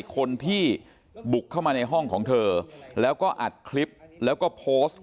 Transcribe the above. คนที่บุกเข้ามาในห้องของเธอแล้วก็อัดคลิปแล้วก็โพสต์